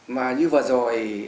mà như vừa rồi